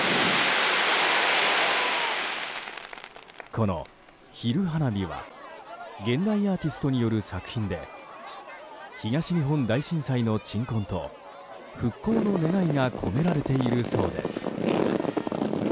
この「昼花火」は現代アーティストによる作品で東日本大震災の鎮魂と復興の願いが込められているそうです。